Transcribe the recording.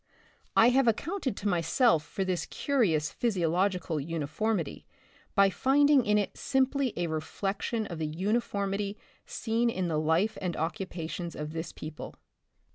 I have accounted to myself for this curious physiological uniformity by finding in it simply a reflection of the uniformity seen in the Hfe and occupations of this people.